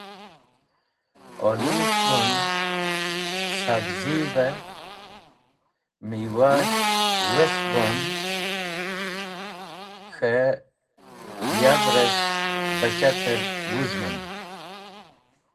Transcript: Olũweves̃h go’n, savziv-e, miywaves̃h wesk go’n, k̃he yav’res̃h bachater wũzũmen.